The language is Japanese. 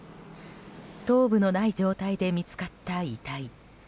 頭部のない状態で見つかった遺体。